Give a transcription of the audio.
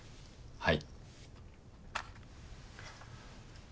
はい。